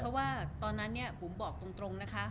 เพราะว่าตอนนั้นเนี่ยบุ๋มบอกตรงนะคะ